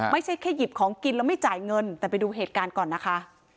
ไม่ใช่แค่หยิบของกินแล้วไม่จ่ายเงินแต่ไปดูเหตุการณ์ก่อนนะคะ